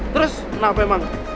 terus kenapa emang